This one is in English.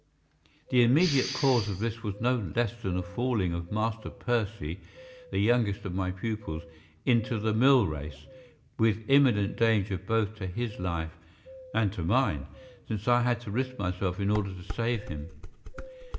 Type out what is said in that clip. The immediate cause of this was no less than the falling of Master Percy, the youngest of my pupils, into the mill race, with imminent danger both to his life and to mine, since I had to risk myself in order to save him.